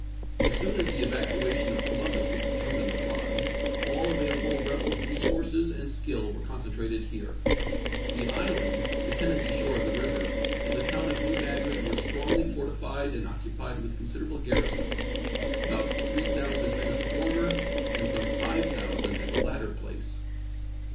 As soon as the evacuation of Co lumbus was determined upon, all available rebel resources and skill were concentrated here. The island, the Tennessee shore of the river, and the town of New Madrid were strongly fortified and occupied with considerable garrisons — about 3000 men at the former and some 5000 at the latter place.